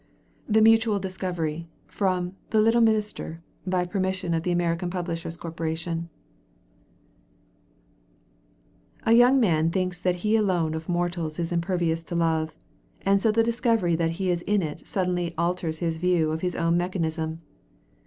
THE MUTUAL DISCOVERY From 'The Little Minister': by permission of the American Publishers' Corporation A young man thinks that he alone of mortals is impervious to love, and so the discovery that he is in it suddenly alters his views of his own mechanism.